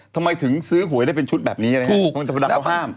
ทำไมถึงซื้อหวยได้เป็นชุดแบบนี้นะฮะเขาห้าม